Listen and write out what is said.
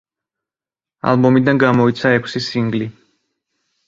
ალბომიდან გამოიცა ექვსი სინგლი.